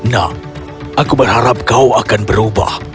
nak aku berharap kau akan berubah